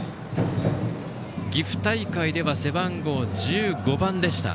岐阜大会では背番号１５番でした。